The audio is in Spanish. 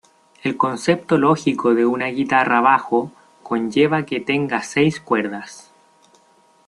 El concepto lógico de una guitarra bajo conlleva que tenga seis cuerdas.